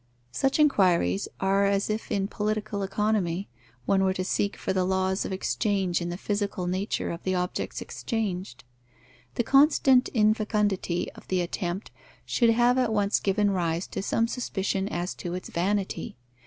Such inquiries are as if in Political Economy one were to seek for the laws of exchange in the physical nature of the objects exchanged. The constant infecundity of the attempt should have at once given rise to some suspicion as to its vanity.